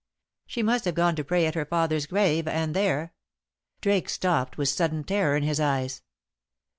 She must have gone to pray at her father's grave, and there " Drake stopped with sudden terror in his eyes.